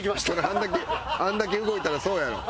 あれだけあれだけ動いたらそうやろ。